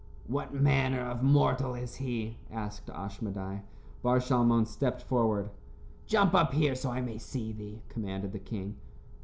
"What manner of mortal is he?" asked Ashmedai. Bar Shalmon stepped forward. "Jump up here so I may see thee," commanded the king.